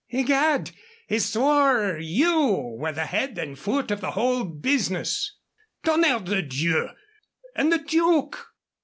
"Egad! he swore you were the head and foot of the whole business " "Tonnerre de Dieu! And the Duke?"